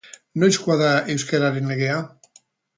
Noizkoa da Euskararen Legea?